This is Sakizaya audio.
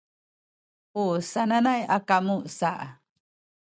u sananay a kamu sa